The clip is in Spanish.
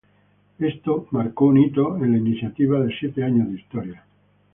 Esto marcó un hito en la iniciativa de siete años de historia.